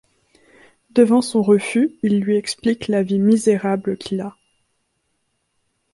Devant son refus il lui explique la vie misérable qu’il a.